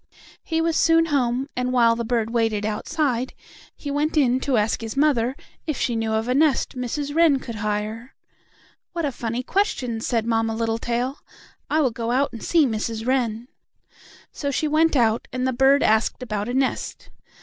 He was soon home, and, while the bird waited outside, he went in to ask his mother if she knew of a nest Mrs. Wren could hire. "What a funny question!" said Mamma Littletail. "I will go out and see Mrs. Wren." So she went out, and the bird asked about a nest.